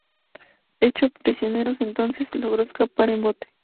Hecho prisionero entonces, logró escapar en bote.